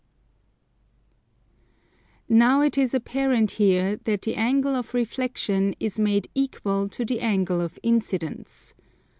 Now it is apparent here that the angle of reflexion is made equal to the angle of incidence.